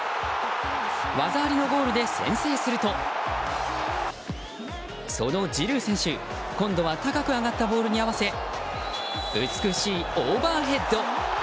技ありのゴールで先制すると、そのジルー選手今度は高く上がったボールに合わせ美しいオーバーヘッド！